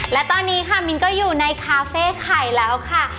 และตอนนี้ค่ะมินก็อยู่ในคาเฟ่ไข่แล้วค่ะ